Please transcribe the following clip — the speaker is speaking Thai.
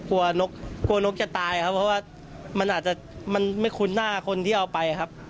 กลัวนกกลัวนกจะตายครับเพราะว่ามันอาจจะมันไม่คุ้นหน้าคนที่เอาไปครับ